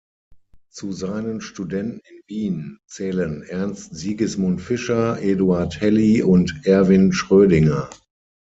Zu seinen Studenten in Wien zählen Ernst Sigismund Fischer, Eduard Helly und Erwin Schrödinger.